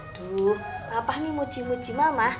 aduh papa nih muci muci mama